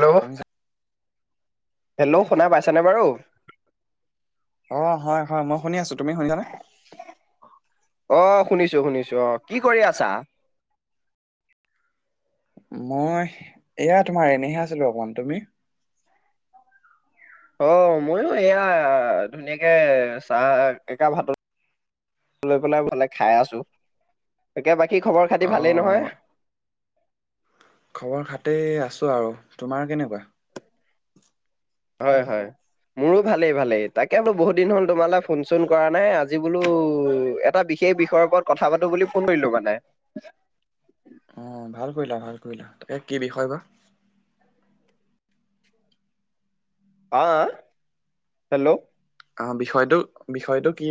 Hello শুনিছা hello শুনা পাইছানে বাৰু অ হয় হয় মই শুনি আছো তুমি শুনিছানে অ শুনিছো শুনিছো অ কি কৰি আছা মই এয়া তোমাৰ এনেহে আছিলোঁ অকণ তুমি অ ময়ো এয়া ধুনীয়াকে চাহ একাপ হাতত লৈ পেলাই ভালে খাই আছো তাকে বাকী খবৰ খাতি অ ভালেই নহয় খবৰ খাতি আছোঁ আৰু তোমাৰ কেনেকুৱা হয় হয় মোৰো ভালেই ভালেই তাকে বোলো বহুত দিন হ'ল তোমালে ফোন চোন কৰা নাই আজি বোলো এটা বিশেষ বিষয়ৰ ওপৰত কথা পাতো বুলি ফোন কৰিলো মানে অ ভাল কৰিলা ভাল কৰিলা তাকে কি বিষয় বা অঁ হেল্ল' অ', বিষয়টো বিষয়টো কি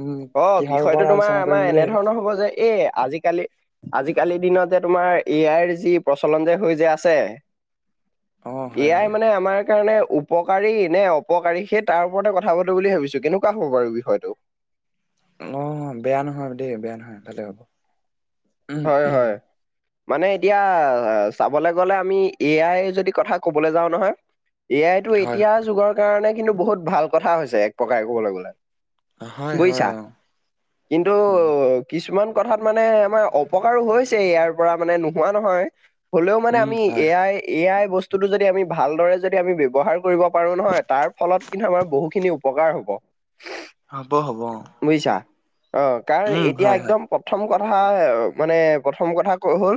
উম অ', কিহৰ বিষয়টো ওপৰত তোমাৰ আলোচনা কৰিম আমাৰ বুলি ভাবিলা এনেধৰণৰ হব যে এ আজি কালি আজিকালিৰ দিনত যে তোমাৰ এ আইৰ যি প্ৰচলন যে হৈ যে আছে অ হয় এ আই হয় মানে আমাৰ কাৰণে উ উপকাৰী নে অপকাৰী সেই তাৰ ওপৰতে কথা পাতো বুলি ভাবিছো কেনেকুৱা হ'ব বাৰু বিষয়টো অ', বেয়া নহয় দেই বেয়া নহয় ভালেই হ'ব। উম হয় উম হয় মানে এতিয়া চাবলে গ'লে আমি এ আই যদি কথা কবলে যাওঁ নহয় এ আইতো হয় এতিয়া যুগৰ কাৰণে কিন্তু বহুত ভাল কথা হৈছে এক প্ৰকাৰে কবলে গলে হয় হয় বুজিছা অ কিন্তু উম কিছুমান কথাত মানে আমাৰ অপকাৰো হৈছে ইয়াৰ পৰা মানে নোহোৱা নহয় হলেও মানে উম আমি হয় এ হয় আই এ আই বস্তুটো যদি আমি ভালদৰে যদি আমি ব্যৱহাৰ কৰিব পাৰো নহয় তাৰ ফলত কিন্তু আমাৰ বহুখিনি উপকাৰ হ'ব হ'ব হ'ব বুইছা অ কাৰণ উম এতিয়া হয় হয় একদম প্ৰথম কথা মানে প্ৰথম কথা ক হ'ল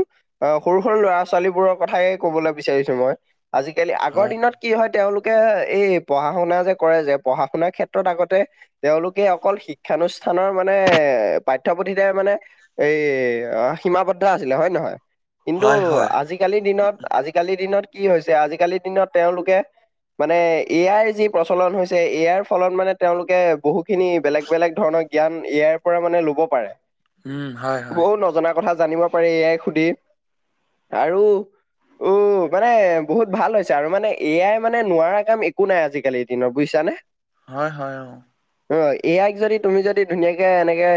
আ সৰু সৰু ল'ৰা ছোৱালীবোৰৰ কথাই ক'বলৈ বিচাৰিছো মই আজিকালি আগৰ হয় দিনত কি হয় তেওঁলোকে এই পঢ়া শুনা যে কৰে যে পঢ়া শুনাৰ ক্ষেত্ৰত আগতে তেওঁলোকে অকল শিক্ষানুষ্ঠানৰ মানে পাঠ্যপুথিতে মানে এই অ', সীমাবদ্ধ আছিলে হয় নহয় কিন্তু হয় হয় আজিকালিৰ দিনত আজিকালিৰ দিনত কি হৈছে আজিকালিৰ দিনত তেওঁলোকে মানে এ আইৰ যি প্ৰচলন হৈছে ইয়াৰ ফলত মানে তেওঁলোকে বহুখিনি বেলেগ বেলেগ ধৰণৰ জ্ঞান ইয়াৰ পৰা মানে ল'ব পাৰে। উম, হয় হয়। জনাৰ কথা জানিব পাৰি এয়াই সুধি আৰু অ' মানে বহুত ভাল হৈছে আৰু মানে এয়াই মানে নোৱাৰা কাম একো নাই আজিকালি। দিনত বুজিছানে? হয় হয় অ'। অ' এ আইক যদি তুমি যদি ধুনীয়াকে এনেকে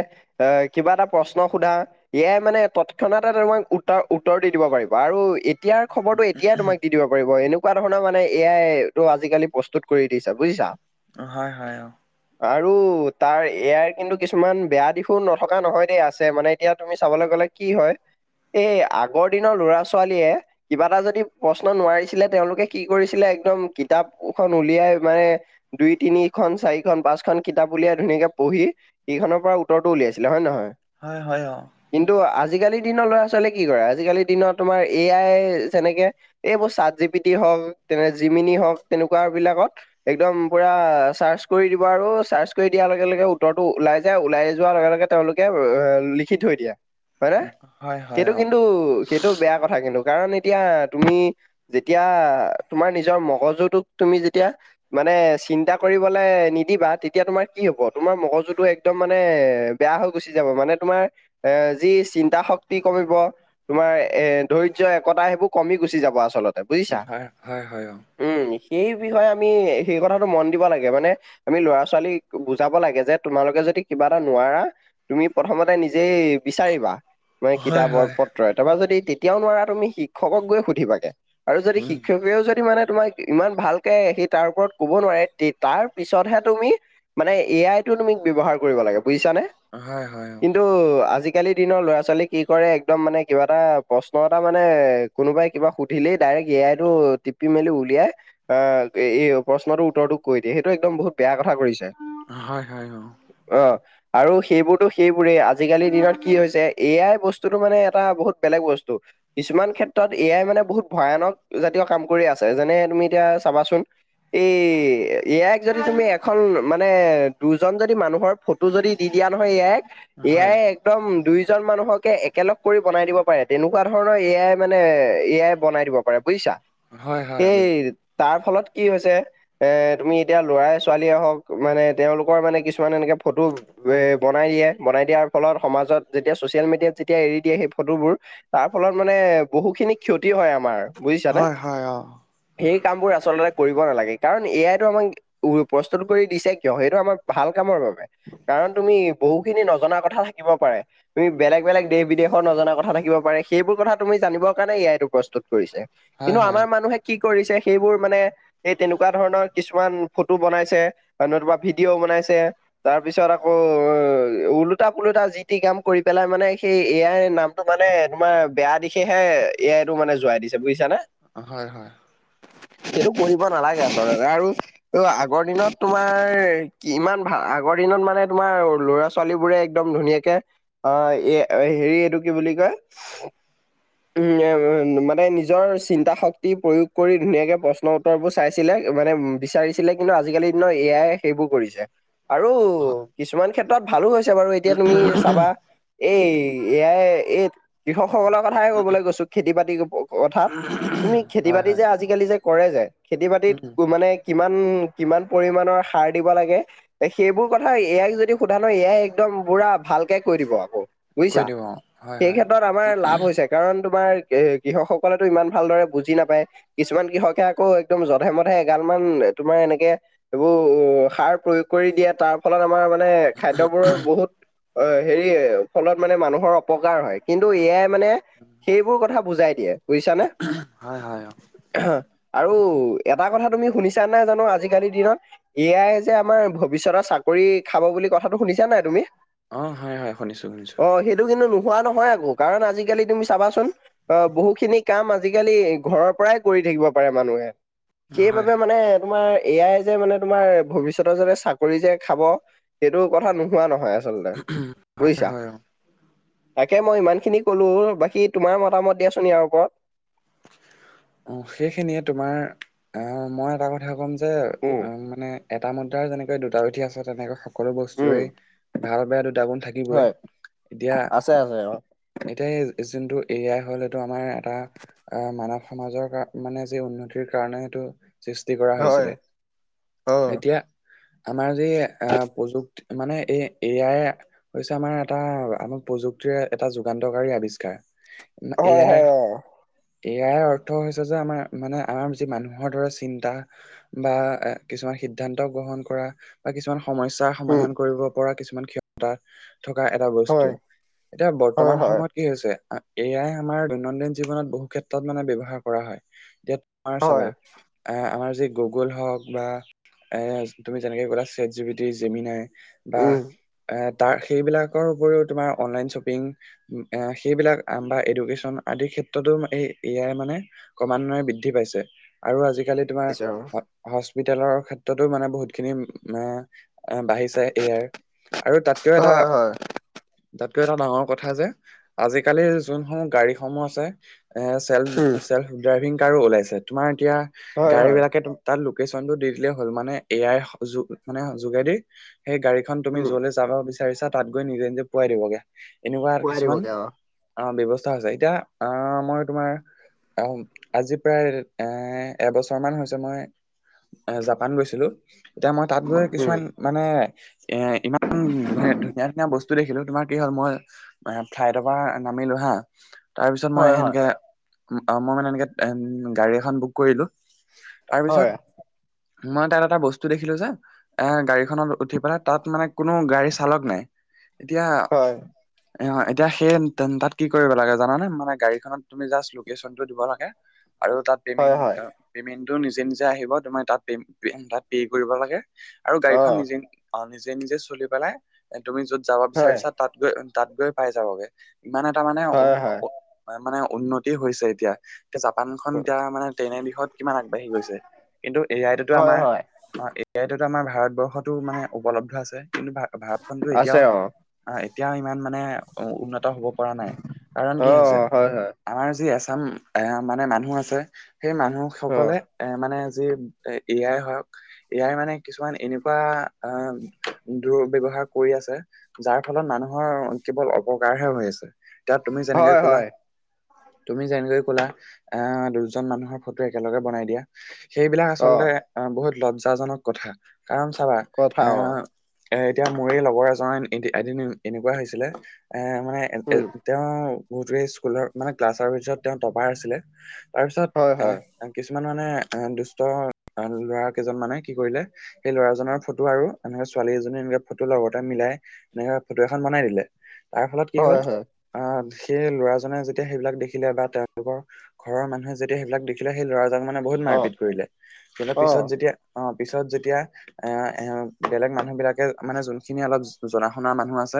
এ, কিবা এটা প্ৰশ্ন সোধা এ আই মানে তৎক্ষণাতে তোমাক উতৰ-উত্তৰ দি দিব পাৰিব আৰু এতিয়াৰ খবৰটো এতিয়াই তোমাক দি দিব পাৰিব এনেকুৱা ধৰণৰ মানে এ আই টো আজিকালি প্ৰস্তুত কৰি দিছে বুজিছা? অ' হয় হয় অ'। আৰু তাৰ এ আইৰ কিন্তু কিছুমান বেয়া দিশো নথকা নহয় দেই, আছে মানে এতিয়া তুমি চাবলৈ গ'লে কি হয়, এই আগৰ দিনৰ ল'ৰা ছোৱালীয়ে কিবা এটা যদি প্ৰশ্ন নোৱাৰিছিলে তেওঁলোকে কি কৰিছিলে একদম কিতাপখন উলিয়াই মানে দুই তিনিখন, চাৰিখন, পাঁচখন কিতাপ উলিয়াই ধুনীয়াকে পঢ়ি ইখনৰ পৰা উত্তৰটো উলিয়াইছিলে হয় নে নহয়? হয় হয় অ'। কিন্তু আজিকালিৰ দিনৰ ল'ৰা ছোৱালীয়ে কি কৰে, আজিকালিৰ দিনত তোমাৰ এ আই যেনেকে এইবোৰ চাট জিপিটি হওঁক, তেনে জিমিনি হওঁক তেনেকুৱা বিলাকত একদম পুৰা চাৰ্চ কৰি দিব আৰু চাৰ্চ কৰি দিয়াৰ লগে লগে উত্তৰটো ওলাই যায়, ওলাই যোৱাৰ লগে লগে তেওঁলোকে লিখি থৈ দিয়ে হয়নে? হয় হয় সেইটো অ কিন্তু সেইটো বেয়া কথা কিন্তু কাৰণ এতিয়া তুমি যেতিয়া তোমাৰ নিজৰ মগজুটোক তুমি যেতিয়া মানে চিন্তা কৰিবলে নিদিবা তেতিয়া তোমাৰ কি হ'ব, তোমাৰ মগজুটো একদম মানে বেয়া হৈ গুচি যাব, মানে তোমাৰ এ, যি চিন্তা শক্তি কমিব তোমাৰ এ, ধৈৰ্য, একতা সেইবোৰ কমি গুচি যাব আচলত উ, হয়, হয় হয় অ'। উম, সেই বিষয়ে আমি, সেই কথাটো মন দিব লাগে মানে আমি ল'ৰা ছোৱালীক বুজাব লাগে যে তোমালোকে যদি কিবা এটা নোৱাৰা তুমি প্ৰথমতে নিজ যে বিচাৰিবা মানে হয় কিতাপৰ হয় [unintelligible] তাৰপা যদি তেতিয়াও নোৱাৰা তুমি শিক্ষকক গৈ সুধিবাকে আৰু যদি উম শিক্ষকেও যদি মানে তোমাক ইমান ভালকে সি তাৰ ওপৰত ক'ব নোৱাৰে তে-তাৰ পিছতহে তুমি মানে এ আইটো তুমি ব্যৱহাৰ কৰিব লাগে বুজিছানে। হয়, হয়, হয়। কিন্তু আজিকালি দিনৰ ল'ৰা ছোৱালী কি কৰে একদম মানে কিবা এটা প্ৰশ্ন এটা মানে কোনোবাই কিবা সুধিলেই ডাইৰেক্ট এ আইটো টিপি মেলি উলিয়াই আ, এই প্ৰশ্নটোৰ উত্তৰটো কৈ দিয়ে, সেইটো একদম বহুত বেয়া কথা কৰিছে। হয় হয় অ'। অ' আৰু সেইবোৰতো সেই পুৰে আজিকালিৰ দিনত কি হৈছে এ আাই বস্তুটো মানে এটা বহুত বেলেগ বস্তু। কিছুমান ক্ষেত্ৰত এ আই মানে বহুত ভয়ানক জাতীয় কাম কৰি আছে যেনে তুমি এতিয়া চাবাচোন এ, এ আইক যদি তুমি এখন মানে দুজন যদি মানুহৰ ফটো টো যদি দি দিয়া নহয় এ আইক, অ এ হয় আয়ে এক দম দুইজন মানুহকে একেলগ কৰি বনাই দিব পাৰে তেনেকুৱা ধৰণৰ এ আই মানে এ আই বনাই দিব পাৰে। বুজিছা? হয় হয় এই বুজিছো তাৰ ফলত কি হৈছে এ, তুমি এতিয়া ল'ৰাই ছোৱালীয়ে হওঁক মানে তেওঁলোকৰ মানে কিছুমান এনেকে ফটো উম বনাই দিয়ে বনাই দিয়াৰ ফলত সমাজত যেতিয়া ছ'চিয়েল মিডিয়াত যেতিয়া এৰি দিয়ে সেই ফটোবোৰ তাৰ ফলত মানে বহুখিনি ক্ষতি হয় আমাৰ বুজিছানে হয় হয় অ সেই কামবোৰ আচলতে কৰিব নালাগে কাৰণ এয়াইতো আমাক উ প্ৰস্তুত কৰি দিছে কিয় সেইটো আমাৰ ভাল কামৰ বাবে কাৰণ তুমি বহু খিনি নজনা কথা হিকিব পাৰে তুমি বেলেগ বেলেগ দেশ বিদেশৰ নজনা কথা থাকিব পাৰে সেইবোৰ কথা তুমি জানিবৰ কাৰণে এয়াইটো প্ৰস্তুত কৰিছে হয় কিন্তু হয় আমাৰ মানুহে কি কৰিছে সেইবোৰ মানে এই তেনেকুৱা ধৰণৰ কিছুমান ফটো বনাইছে বা নতুবা ভিডিঅ' বনাইছে তাৰ পিছত আকৌ অ ওলোটা পোলোটা যি টি কাম কৰি পেলাই মানে সেই এয়াই নামটো মানে তোমাৰ বেয়া দিশেহে এয়াইটো মানে জোৱাই দিছে বুজিছা নে হয় হয় সেইটো কৰিব নালাগে আচলতে আৰু অ আগৰ দিনত তোমাৰ কিমান ভাল আগৰ দিনত মানে তোমাৰ ল'ৰা ছোৱালীবোৰে একদম ধুনীয়াকে আহ হেৰি এইটো কি বুলি কয় মানে নিজৰ চিন্তা শক্তি প্ৰয়োগ কৰি ধুনীয়াকৈ প্ৰশ্ন উত্তৰবোৰ চাইছিলে মানে বিচাৰিছিলে কিন্তু আজিকালি দিনৰ এ আই সেইবোৰ কৰিছে আৰু কিছুমান ক্ষেত্ৰত ভালো হৈছে বাৰু এতিয়া তুমি চাবা এই এয়াই এই কৃষকসকলৰ কথাইে কবলৈ গৈছো খেতি বাতি কথাত তুমি খেতি হয় বাতি হয় যে আজ আজিকালি যে কৰে যে খেতি বাতিত উম মানে কিমান কিমান পৰিমাণৰ সাৰ দিব লাগে সেইবোৰ কথা ইয়াক যদি সোধা ন এ আই একদম পুৰা ভালকে কৈ দিব আকৌ কৈ বুজিছা দিওঁ অ হয় সেই হয় ক্ষেত্ৰত আমাৰ লাভ হৈ যায় কাৰণ তোমাৰ কৃষকসকলেতো ইমান ভালদৰে বুজি নাপায় কিছুমান কৃষকে আকৌ একদম জধে মধে এগাল মান তোমাৰ এনেকে এইবোৰ অ সাৰ প্ৰয়োগ কৰি দিয়ে তাৰ ফলত আমাৰ মানে খাদ্যবোৰৰ বহুত অ হেৰি ফলত মানে মানুহৰ অপকাৰ হয় কিন্তু এ আই মানে সেইবোৰ কথা বুজাই দিয়ে বুজিছানে হয় হয় অ আৰু এটা কথা তুমি শুনিছা নাই জানো আজিকালিৰ দিনত এয়াই যে আমাৰ ভৱিষ্যতৰ চাকৰি খাব বুলি কথাটো শুনিছা নাই তুমি অঁ হয় হয় শুনিছোঁ শুনিছোঁ অ সেইটো কিন্তু নোহোৱা নহয় আকৌ কাৰণ আজিকালি তুমি চাবাচোন অ বহু খিনি কাম আজিকালি ঘৰৰ পৰাই কৰি থাকিব পাৰে মানুহে হয় সেইবাবে হয় মানে তোমাৰ এ আই যে মানে তোমাৰ ভৱিষ্যতৰ যাতে চাকৰি যে খাব সেইটো কথা নোহোৱা নহয় আচলতে হয় বুজিছা হয় অ তাকে মই ইমানখিনি কলো বাকী তোমাৰ মতামত দিয়াচোন ইয়াৰ ওপৰত অ সেইখিনিয়ে তোমাৰ অ মই এটা কথা ক'ম যে উম উ মানে এটা মুদ্ৰাৰ যেনেকে দুটা পিঠি আছে তেনেকে সকলো উম বস্তুৰে ভাল বেয়া দুটা গুণ থাকিবই হয় এতিয়া আছে আছে অ এতিয়া এ যোনটো এ আই হ'ল এইটো আমাৰ এটা আহ মানৱ সমাজৰ মানে যি উন্নতিৰ কাৰণে সেইটো সৃষ্টি কৰা হয় হৈছিলে অ এতিয়া আমাৰ যি আহ প্ৰযুক্ত মানে এআই হৈছে আমাৰ এটা আমাৰ প্ৰযুক্তিৰে এটা যুগান্তকাৰী আৱিষ্কাৰ হয় হয় ইয়াৰ অ এ য়াই অৰ্থ হৈছে যে আমাৰ মানে আমাৰ যি মানুহৰ দৰে চিন্তা বা এ কিছুমান সিদ্ধান্ত গ্ৰহণ কৰা বা কিছুমান সমস্যা তা উম সমাধান কৰিব পৰা কিছুমান ক্ষমতা থকা এটা বস্তু হয় এতিয়া বৰ্ত হয় বৰ্তমান হয় সময়ত কি হৈছে এ আই আমাৰ দৈনন্দিন জীৱনত বহু ক্ষেত্ৰত মানে ব্যৱহাৰ কৰা হয়। তে তোমাৰ চাবা হয় এ আমাৰ যি গুগল হওঁক বা এচ তুমি যেনেকে ক'লা চেটজেপিটি জিমিনাই বা উম এ তাৰ সেইবিলাকৰ উপৰিও তোমাৰ অনলাইন শ্বপিং সেইবিলাক বা এডুকেশ্বন আদিৰ ক্ষেত্ৰতো এ য়াই মানে ক্ৰমান্বয়ে বৃদ্ধি পাইছে আৰু আজিকালি তোমাৰ পাইছে হ অ হস্পিতেলৰ ক্ষেত্ৰতো মানে বহুত খিনি আ আহ বাঢ়িছে এ আই ৰ আৰু তাতকেও এটা হয় হয় তাতকৈও এটা ডাঙৰ কথা কথা যে আজি কালিৰ যোনসমূহ গাড়ীসমূহ আছে চেলভ উম চেলভ ড্ৰাইভিং কাৰো ওলাইছে তুমাৰ এতিয়া হয় গাড়ী হয় বিলাকে তো তাত লোকেশচন টো দি দিলে হ'ল মানে এ আই ৰ মানে যোগেদি সেই গাড়ীখন তুমি উম য যাব বিচাৰিছা তাত গৈ নিজে নিজে পোৱাই দিবগে এনেকুৱা পোৱাই কিছুমান দিবগে অ অ ব্যৱস্থা হৈছে এতিয়া আহ মই তোমাৰ অ আজি প্ৰায় এ এবছৰ মান হৈছে মই এ জাপান গৈছিলো এতিয়া মই তাত গৈ উম, কিছুমান মানে এ ইমান ধু ধুনীয়া ধুনীয়া বস্তু দেখিলো তোমাৰ কি হ'ল মই ফ্লাইটৰ পৰা নামিলো হা তাৰ পিছত মই হয় হয়। সেনেকে অ মই মানে এনেকে গাড়ী এখন বুক কৰিলো হয় তাৰপিছত মই তাত এটা বস্তু দেখিলো যে এ গাড়ীখনত উঠি পেলাই তাত মানে কোনো গাড়ী চালক নাই এতিয়া হয় এ এতিয়া সেই তাত কি কৰিব লাগে জানে মানে গাড়ীখনত তুমি জাষ্ট লোকেশচনটো দিব লাগে আৰু তাত হয় পেমেণ্ট হয় পেমেণ্টটো নিজে নিজে আহিব তোমাৰ তাত তাত পে কৰিব লাগে আৰু গাড়ীখন অ' নিজে অ নিজে নিজে চলি পেলাই তুমি য'ত যাব হয় বিচাৰিছা তাত গৈ তাত গৈ পাই যাবগে ইমান এটা মানে হয় হয়। মানে উউন্নতি হৈছে এতিয়া এতিয়া জাপানখন এতিয়া মানে তেনে বিষত কিমান আগবাঢ়ি গৈছে কিন্তু এ য়াই টোতো হয় আমাৰ হয় অ এ য়াই ততো আমাৰ ভাৰতবৰ্ষতো মানে উপলব্ধ আছে কিন্তু ভাৰত ভাৰতখনতো আছে এতিয়াও অ' আহ এতিয়াও ইমান মানে উন্নত হব পৰা নাই কাৰণ কি অ' হৈছে হয় হয় আমাৰ যি এছাম এ মানে মানুহ আছে সেই মানুহ অ' সকলে এ মানে যি এ আই হওক এ য়াই মানে কিছুমান এনেকুৱা আহ দুৰ ব্যৱহাৰ কৰি আছে যাৰ ফলত মানুহৰ কেৱল অপকাৰহে হৈ আছে এয়া তুমি হয় যেনেকে কলা হয় তুমি যেনেদৰে ক'লা আহ দুজন মানুহৰ ফটো একেলগে বনাই দিয়া সেইবিলাক আচলতে অ' আহ বহুত লজ্জাজনক কথা কাৰণ চাবা কথা আ অ' এ এতিয়া মৰে লগৰ এজন এ এদিন এনেকুৱা হৈছিলে এ মানে এ উম, তেওঁ গোটেই স্কুলৰ মানে ক্লাছৰ ভিতৰত তেওঁ টপাৰ আছিলে তাৰপিছত হয় হয় এ কিছুমান মানে এ দুষ্ট লৰা কেইজন মানে কি কৰিলে সেই ল'ৰাজনৰ ফটো আৰু এনেকে ছোৱালী এজনী এনে ফটো লগতে মিলাই এনেকা ফটো এখন বনাই দিলে তাৰ ফলত কি হ'ল হয় হয় আহ সেই ল'ৰাজনে যেতিয়া সেইবিলাক দেখিলে বা তেওঁলোকৰ ঘৰৰ মানুহ যদি সেইবিলাক দেখিলে সেই লৰাজন মানে বহুত অ' মাৰপিত কৰিলে ধৰি লোৱা পিছত অ' যেতিয়া অ পিছত যেতিয়া এ এ বেলেগ মানুহ বিলাকে মানে যোনখিনি অলপ জনা শুনা মানুহ মানুহ আছে,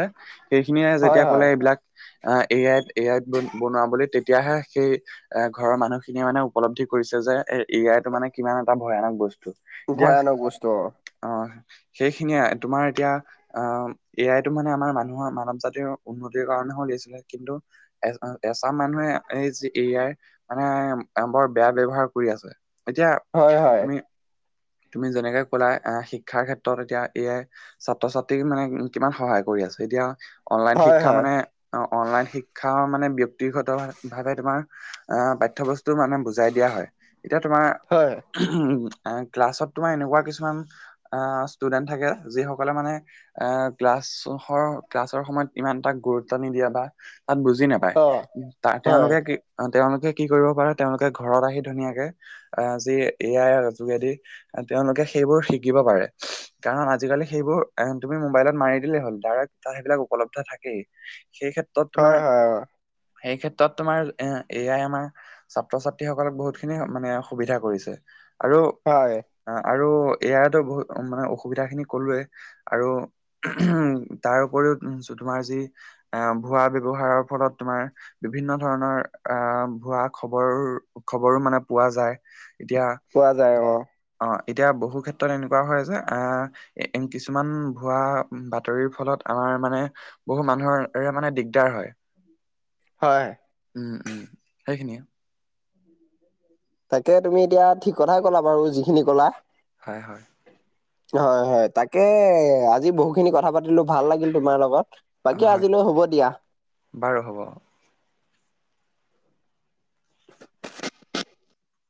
সেইখিনিয়ে হয় যেতিয়া কলে হয় এইবিলাক আহ এ আইত, এ আইত বনোৱা বুলি তেতিয়াহে সেই এ ঘৰৰ মানুহখিনিয়ে মানে উপলব্ধি কৰিছে যে, এ আই টো মানে কিমান এটা ভয়ানক বস্তু। দিয়া ভয়ানক বস্তু অ, সেইখিনিয়ে তোমাৰ এতিয়া, আহ এ আই এইটো মানে আমাৰ মানুহৰ, মানৱ জাতিৰ উন্নতিৰ কাৰণে হৈছিলে। কিন্তু এ এচাম মানুহে এই, যি এ আই, মানে বৰ বেয়া ব্যৱহাৰ কৰি আছে। এতিয়া, হয় হয় তুমি তুমি যেনেকে কলা, আহ শিক্ষাৰ ক্ষেত্ৰত এতিয়া এ আই, ছাত্ৰ-ছাত্ৰী মানে কিমান সহায় কৰি আছে। এতিয়া অনলাইন হয় শিক্ষা হয় মানে, অ অনলাইন শিক্ষা মানে ৰ্দীঘতম ভাৱে তোমাৰ, আহ পাঠ্যবস্তু মানে বুজাই দিয়া হয়। এতিয়া তোমাৰ হয়। আ, ক্লাছত তোমাৰ এনেকুৱা কিছুমান আ, ষ্টুডেন্ট থাকে, যিসকলে মানে আ ক্লাছৰ, ক্লাছৰ সময়ত ইমান তাক গুৰুত্ব নিদিয়ে বা তাত বুজি নাপ পাই। অ' হয় তেওঁলোকে কি, তেওঁলোকে কি কৰিব পাৰে, তেওঁলোকে ঘৰত আহি ধুনীয়াকে অ, আজি এ আইৰ যোগেদি তেওঁলোকে সেইবোৰ শিকিব পাৰে। কাৰণ, আজিকালি সেইবোৰ তুমি মোবাইলত মাৰি দিলেই হ'ল, ডাইৰেক তাত সেইবিলাক উপলব্ধ থাকেই। সেই ক্ষেত্ৰত হয় তোমাৰ হয় অ' সেই ক্ষেত্ৰত তোমাৰ, এ আই আমাৰ ছাত্ৰ-ছাত্ৰীসকলক বহুত খিনি মানে সুবিধা কৰিছে। আৰু হয়। অ, আৰু এ আইৰ টো বহুত মানে, অসুবিধা খিনি কলোৱেই। আৰু তাৰ উপৰিও তোমাৰ যি, আহ ভুৱা ব্যৱহাৰৰ ফলত তোমাৰ বিভিন্ন ধৰণৰ আ ভুৱা খবৰ, খবৰো মানে পোৱা যায়। এতিয়া পোৱা যায়, অ। অ, এতিয়া বহু ক্ষেত্ৰত এনেকুৱা হয় যে, আ এন কিছুমান ভোৱা বাতৰিৰ ফলত আমাৰ মানে, বহু মানুহৰে মানে দিগদাৰ হয়। হয়। উম-উম। সেইখিনিয়ে [inaudible] তাকে, তুমি এতিয়া ঠিক কথাই ক'লা বাৰু, যিখিনি ক'লা। হয়, হয়। হয়, হয়। তাকে আজি বহুখিনি কথা পাতিলো, ভাল লাগিল তোমাৰ লগত। অ, বাকী হয় আজিলৈ হ'ব দিয়া। বাৰু হ'ব।